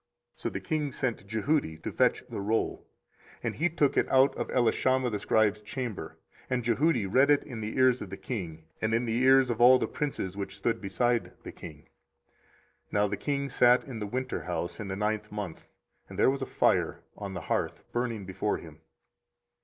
24:036:021 So the king sent Jehudi to fetch the roll: and he took it out of Elishama the scribe's chamber. And Jehudi read it in the ears of the king, and in the ears of all the princes which stood beside the king. 24:036:022 Now the king sat in the winterhouse in the ninth month: and there was a fire on the hearth burning before him.